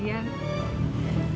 biar orang orang pada ngiri